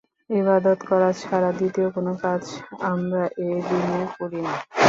ইবাদত করা ছাড়া দ্বিতীয় কোন কাজ আমরা এ দিনে করি না।